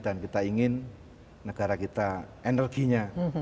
dan kita ingin negara kita energinya